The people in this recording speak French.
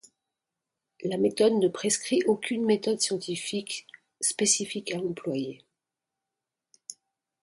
La méthode ne prescrit aucune méthode scientifique spécifique à employer.